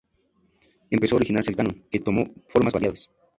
Empezó a originarse el canon, que tomó formas variadas.